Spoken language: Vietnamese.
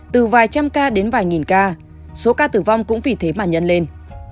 từ vài trăm ca đến vài nghìn ca số ca tử vong cũng vì thế mà nhân lên